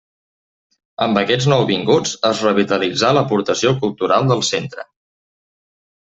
Amb aquests nouvinguts es revitalitzà l'aportació cultural del centre.